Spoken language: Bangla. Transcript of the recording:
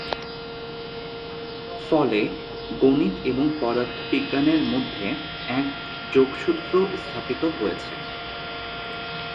ফলে গণিত এবং পদার্থ বিজ্ঞানের মধ্যে এক যোগসূত্র স্থাপিত হয়েছে।